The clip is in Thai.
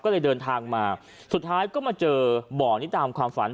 ก็เลยเดินทางมาสุดท้ายก็มาเจอบ่อนี้ตามความฝัน